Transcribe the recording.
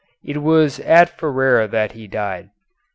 It was at Ferrara that he died.